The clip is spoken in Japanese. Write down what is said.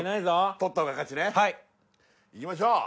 いきましょう。